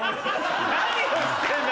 何をしてんだ！